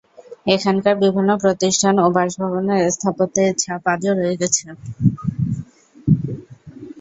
এখানকার বিভিন্ন প্রতিষ্ঠান ও বাসভবনের স্থাপত্যে এর ছাপ আজও রয়ে গেছে।